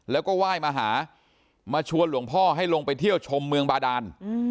แล้วก็ไหว้มาหามาชวนหลวงพ่อให้ลงไปเที่ยวชมเมืองบาดาน